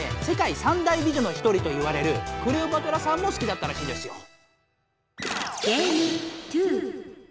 世界三大美女の一人といわれるクレオパトラさんもすきだったらしいですよ。